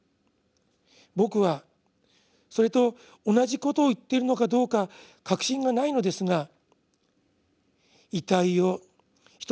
僕はそれと同じことを言っているのかどうか確信がないのですが」。